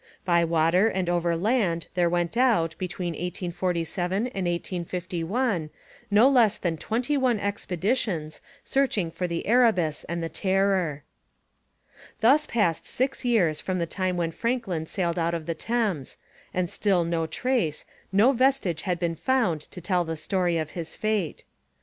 By water and overland there went out, between 1847 and 1851, no less than twenty one expeditions searching for the Erebus and the Terror. Thus passed six years from the time when Franklin sailed out of the Thames, and still no trace, no vestige had been found to tell the story of his fate.